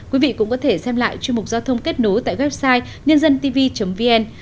quý vị cũng có thể xem lại chuyên mục giao thông kết nối tại website nhândântv vn